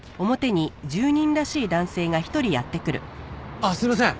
あっすいません。